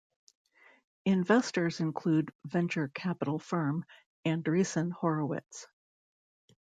Investors include venture capital firm Andreessen Horowitz.